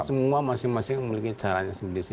semua masing masing memiliki caranya sendiri